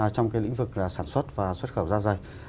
trong cái lĩnh vực sản xuất và xuất khẩu da dày